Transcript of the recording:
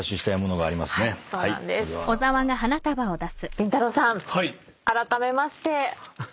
りんたろー。さんあらためまして。